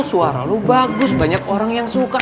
suara lu bagus banyak orang yang suka